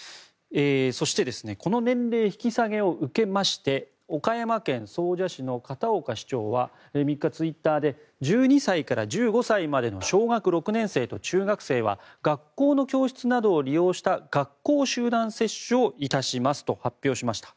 そしてこの年齢引き下げを受けまして岡山県総社市の片岡市長は３日、ツイッターで１２歳から１５歳までの小学６年生と中学生は学校の教室などを利用した学校集団接種をいたしますと発表しました。